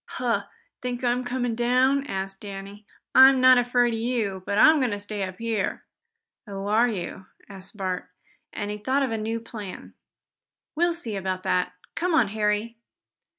"Huh! Think I'm coming down?" asked Danny. "I'm not afraid of you, but I'm going to stay up here." "Oh, are you?" asked Bert, as he thought of a new plan. "We'll see about that. Come here, Harry."